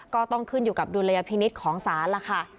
ก็ต้องขึ้นอยู่กับดุลยพินิษฐ์ของศาลล่ะค่ะ